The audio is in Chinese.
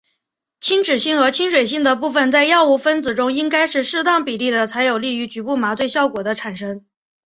亲脂性和亲水性的部分在药物分子中应该是适当比例的才有利于局部麻醉效果的产生。